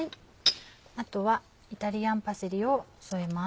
あとはイタリアンパセリを添えます。